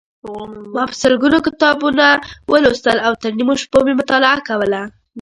ما په سلګونو کتابونه ولوستل او تر نیمو شپو مې مطالعه کوله.